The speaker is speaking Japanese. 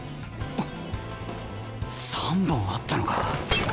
あっ３本あったのか。